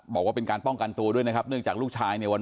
บอกว่าเป็นการป้องกันตัวด้วยนะครับเนื่องจากลูกชายเนี่ยวัน